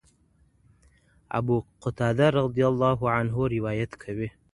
ابو قتاده رضي الله عنه روايت کوي.